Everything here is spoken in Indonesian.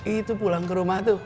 itu pulang ke rumah tuh